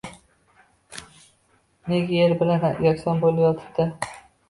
Nega yer bilan yakson bo‘lib yotibdi?